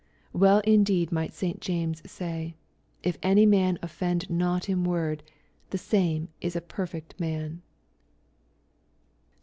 Well indeed might St. James gay, " K any man offend not in word, the same is a perfect man/' (Psal.